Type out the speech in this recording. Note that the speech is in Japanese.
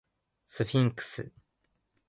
スフィンクス